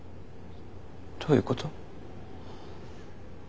どういうこと？